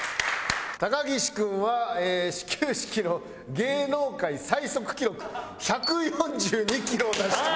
高岸君は始球式の芸能界最速記録１４２キロを出してます。